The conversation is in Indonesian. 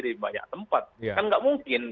di banyak tempat kan nggak mungkin